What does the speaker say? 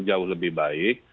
jauh lebih baik